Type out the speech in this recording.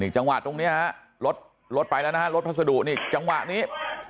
อยู่จังหวะตรงนี้ฮะรถรถไปแล้วนะรถบรรษะดุนี่จังหวะนี้